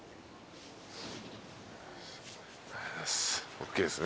ＯＫですね。